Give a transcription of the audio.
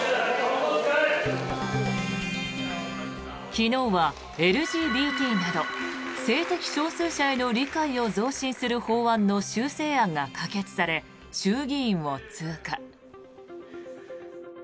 昨日はＬＧＢＴなど性的少数者への理解を増進する法案の修正案が可決され衆議院を通過。